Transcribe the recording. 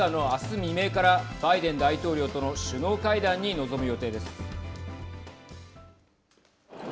未明からバイデン大統領との首脳会談に臨む予定です。